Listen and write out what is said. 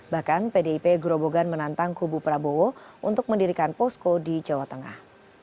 bahkan pdip grobogan menantang kubu prabowo untuk mendirikan posko di jawa tengah